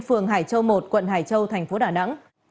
phường hải châu một quận hải châu tp đà nẵng